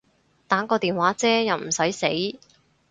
打個電話啫又唔駛死